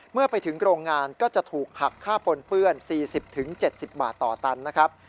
เมื่อไปถึงโรงงานก็จะถูกหักค่าปนเปื้อน๔๐๗๐บาทต่อตันนะครับ